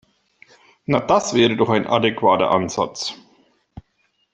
Na, das wäre doch ein adäquater Ansatz.